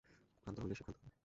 ক্লান্ত হলেই সে ক্ষান্ত হবে।